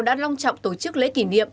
đã long trọng tổ chức lễ kỷ niệm